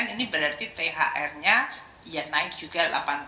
ini berarti thr nya ya naik juga delapan